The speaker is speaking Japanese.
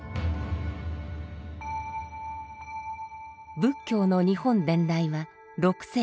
仏教の日本伝来は６世紀。